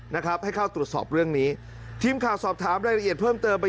นะครับให้เข้าตรวจสอบเรื่องนี้ทีมข่าวสอบถามรายละเอียดเพิ่มเติมไป